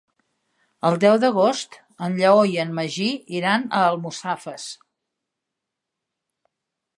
El deu d'agost en Lleó i en Magí iran a Almussafes.